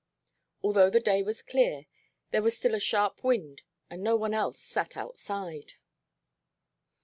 Although the day was clear, there was still a sharp wind and no one else sat outside.